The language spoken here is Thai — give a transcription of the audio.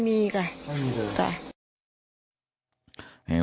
ไม่มีค่ะ